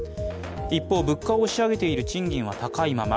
一方、物価を押し上げている賃金は高いまま。